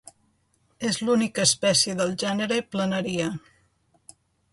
És l'única espècie del gènere Planaria.